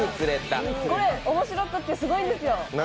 これおもしろくてすごいんですよ。